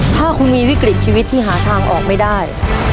ถ้าคุณมีวิกฤตชีวิตที่หาทางออกไม่ได้